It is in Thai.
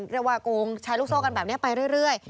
เรียกว่าโกงแชร์ลูกโซ่กันแบบนี้ไปเรื่อย